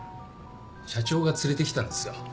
社長が連れてきたんですよ。